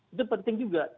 itu penting juga